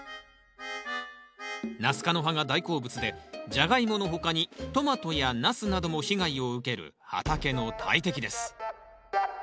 ナス科の葉が大好物でジャガイモの他にトマトやナスなども被害を受ける畑の大敵です。